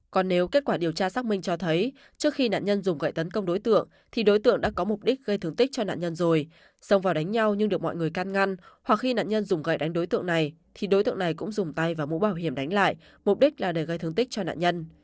còn nếu kết quả điều tra xác minh cho thấy trước khi nạn nhân dùng gậy tấn công đối tượng thì đối tượng đã có mục đích gây thương tích cho nạn nhân rồi xông vào đánh nhau nhưng được mọi người can ngăn hoặc khi nạn nhân dùng gậy đánh đối tượng này thì đối tượng này cũng dùng tay và mũ bảo hiểm đánh lại mục đích là để gây thương tích cho nạn nhân